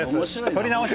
撮り直し。